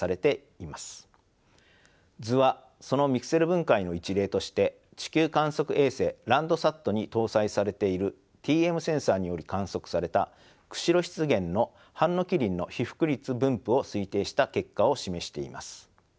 図はそのミクセル分解の一例として地球観測衛星Ｌａｎｄｓａｔに搭載されているＴＭセンサにより観測された釧路湿原のハンノキ林の被覆率分布を推定した結果を示しています。